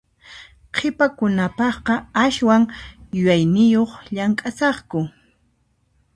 Qhipakunapaqqa aswan yuyayniyuq llamk'asaqku.